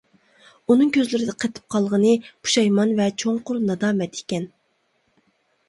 ئۇنىڭ كۆزلىرىدە قېتىپ قالغىنى پۇشايمان ۋە چوڭقۇر نادامەت ئىكەن.